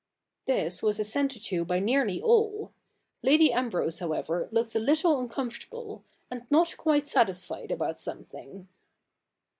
This was assented to by nearly all. Lady Ambrose however looked a little uncomfortable, and not (]uiti: satisfied about something.